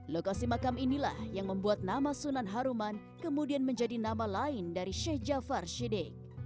lokasi makam inilah yang membuat nama sunan haruman kemudian menjadi nama lain dari sheikh jafar syidik